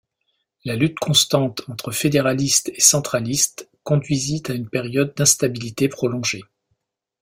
La lutte constante entre fédéralistes et centralistes conduisit à une période d'instabilité prolongée.